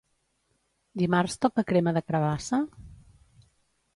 Dimarts toca crema de carabassa?